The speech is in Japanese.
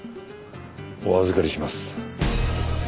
お預かりします。